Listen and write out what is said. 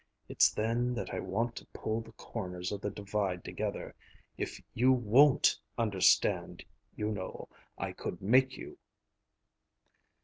It's then that I want to pull the corners of the Divide together. If you WON'T understand, you know, I could make you!"